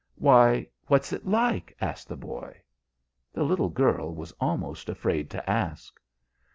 "Why, what's it like?" asked the boy. The little girl was almost afraid to ask.